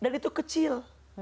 dan itu kecil